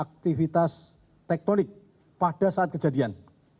aktivitas tektonik pada saat kejadian